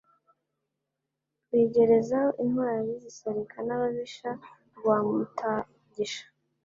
Rwigerezaho intwali zisarika n'ababisha rwa Mutagisha